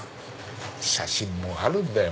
写真もあるんだよ